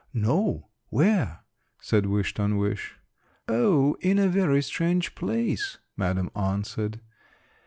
"No, where?" said Wish ton wish. "O, in a very strange place," madam answered.